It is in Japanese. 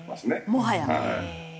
もはや？